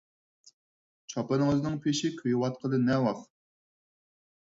چاپىنىڭىزنىڭ پېشى كۆيۈۋاتقىلى نەۋاخ.